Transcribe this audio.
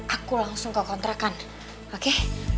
aku langsung ke kontrakan oke